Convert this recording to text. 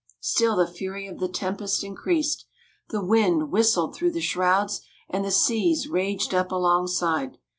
Still the fury of the tempest increased. The wind whistled through the shrouds, and the seas raged up alongside.